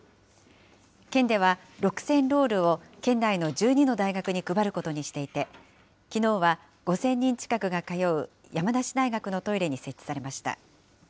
県では６０００ロールを県内の１２の大学に配ることにしていて、きのうは５０００人近くが通う山梨大学のトイレに設置されました。